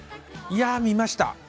いや見ました。